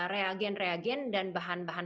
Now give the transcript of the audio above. reagen reagen dan bahan bahan